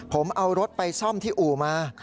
ผมเอารถไปซ่อมที่อู่มา